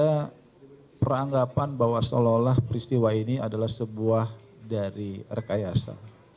ada peranggapan bahwa seolah olah peristiwa ini adalah sebuah dari rekayasa